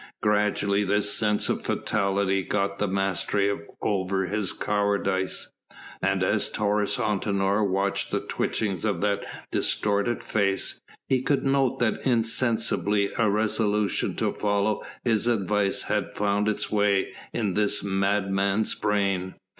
Gradually this sense of fatality got the mastery over his cowardice, and as Taurus Antinor watched the twitchings of that distorted face, he could note that insensibly a resolution to follow his advice had found its way in this madman's brain.